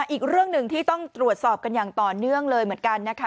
อีกเรื่องหนึ่งที่ต้องตรวจสอบกันอย่างต่อเนื่องเลยเหมือนกันนะคะ